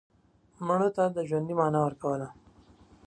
مړه ته د ژوند معنا ورکوله